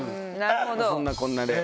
そんなこんなで。